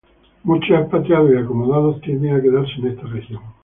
Muchos expatriados y acomodados tienden a quedarse en esta región.